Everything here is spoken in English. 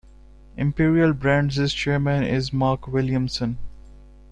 Imperial Brands' chairman is Mark Williamson.